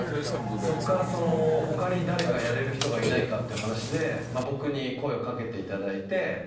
そこから他に誰かやれる人がいないかっていう話で僕に声をかけていただいて。